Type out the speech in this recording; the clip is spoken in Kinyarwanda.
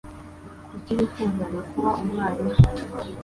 Kuki wifuzaga kuba umwarimu?